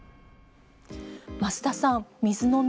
増田さん、水の都